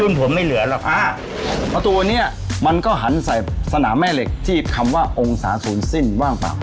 ผลไม่เหลือหรอกอ่าประตูเนี้ยมันก็หันใส่สนามแม่เหล็กที่คำว่าองศาศูนย์สิ้นบ้างเปล่า